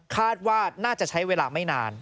คาดว่าน่าจะใช้เวลาไม่นาน